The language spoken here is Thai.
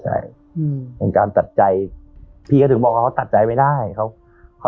ใช่อืมเป็นการตัดใจพี่ก็ถึงบอกว่าเขาตัดใจไม่ได้เขาเขา